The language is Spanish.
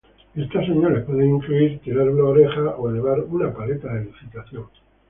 Estas señales pueden incluir tirando una oreja o elevar una paleta de licitación.